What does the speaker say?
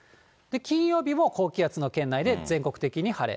金曜日も高気圧の圏内で全国的に晴れ。